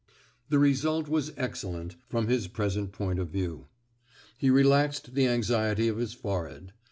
The result was excellent — from his present pohit of view. He relaxed the anxiety of his forehead.